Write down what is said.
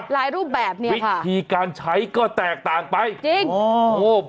รูปแบบเนี้ยวิธีการใช้ก็แตกต่างไปจริงอ๋อ